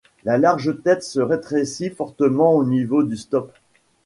La large tête se rétrécit fortement au niveau du stop.